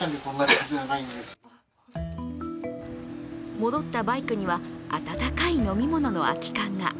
戻ったバイクには温かい飲み物の空き缶が。